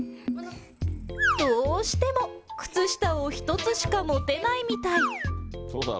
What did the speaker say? どうしても靴下を１つしか持てないみたい。